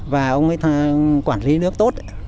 và ông ấy quản lý nước tốt